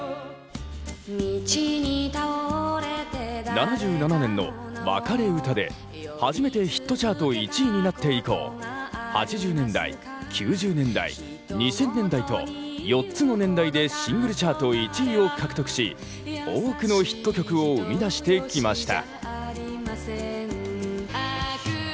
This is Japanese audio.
７７年の「わかれうた」で初めてヒットチャート１位になって以降８０年代９０年代２０００年代と４つの年代でシングルチャート１位を獲得し多くのヒット曲を生みだしてきました。